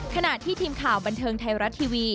ขณะที่ทีมข่าวบันเทิงไทยรัฐทีวี